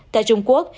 tại trung quốc